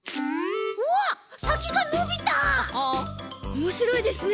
おもしろいですね。